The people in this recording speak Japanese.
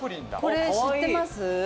これ知ってます？